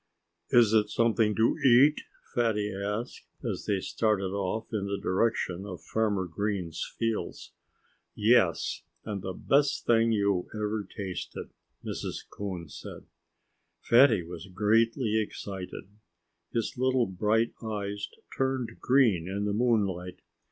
"Is it something to eat?" Fatty asked, as they started off in the direction of Farmer Green's fields. "Yes and the best thing you ever tasted," Mrs. Coon said. Fatty was greatly excited. His little bright eyes turned green in the moonlight.